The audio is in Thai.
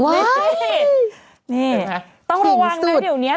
นี่ฮะต้องระวังนะยุ่งเนี้ย